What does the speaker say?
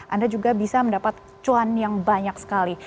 anda juga bisa mendapat cuan yang banyak sekali